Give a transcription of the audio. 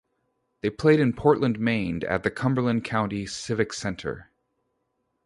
They played in Portland, Maine, at the Cumberland County Civic Center.